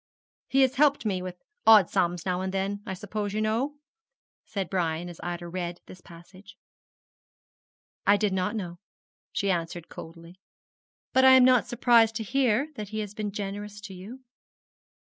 'He has helped me with odd sums now and then, I suppose you know?' said Brian, as Ida read this passage. 'I did not know,' she answered coldly; 'but I am not surprised to hear that he has been generous to you.'